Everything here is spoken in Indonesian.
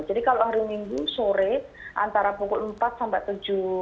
jadi kalau hari minggu sore antara pukul empat sampai tujuh